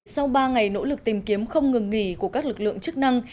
sau ba ngày nỗ lực tìm kiếm không ngừng nghỉ của các lực lượng chức năng